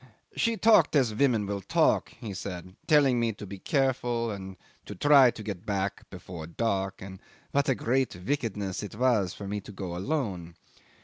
"She talked as women will talk," he said, "telling me to be careful, and to try to get back before dark, and what a great wickedness it was for me to go alone.